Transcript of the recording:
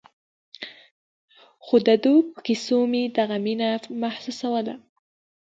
خو د ده په کيسو مې دغه مينه محسوسوله.